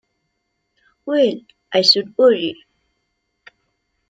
Well, I should worry!